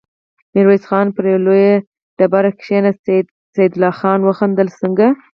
ميرويس خان پر يوه لويه تيږه کېناست، سيدال خان وخندل: څنګه!